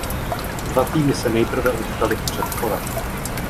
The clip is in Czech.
Dva týmy se nejprve utkaly v předkole.